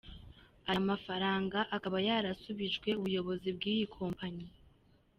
Aya mafaranga akaba yarasubijwe ubuyobozi bw’iyi Kompanyi.